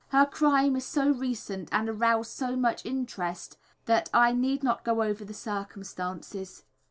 Her crime is so recent and aroused so much interest that I need not go over the circumstances.